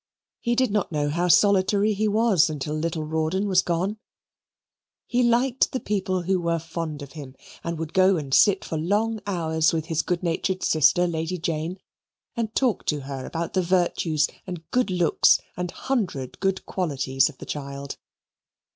He did not know how solitary he was until little Rawdon was gone. He liked the people who were fond of him, and would go and sit for long hours with his good natured sister Lady Jane, and talk to her about the virtues, and good looks, and hundred good qualities of the child.